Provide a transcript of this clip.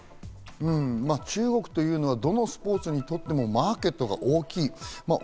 中国というのはどのスポーツにとってもマーケットが大きい。